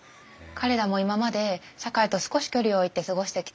彼らも今まで社会と少し距離を置いて過ごしてきたんです。